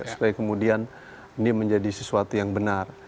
supaya kemudian ini menjadi sesuatu yang benar